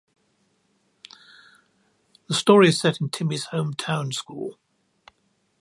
The story is set in Timmy’s home town school.